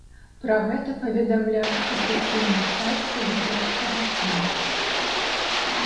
Пра гэта паведамляе афіцыйны сайт салігорскага клуба.